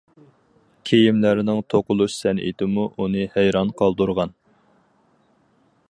كىيىملەرنىڭ توقۇلۇش سەنئىتىمۇ ئۇنى ھەيران قالدۇرغان.